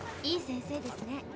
いい先生ですね。